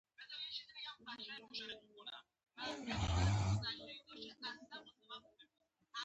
سر پټ بازارونه او تونلونه ټول په کې شامل دي.